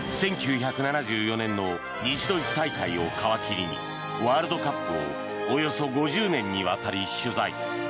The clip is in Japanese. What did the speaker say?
１９７４年の西ドイツ大会を皮切りにワールドカップをおよそ５０年にわたり取材。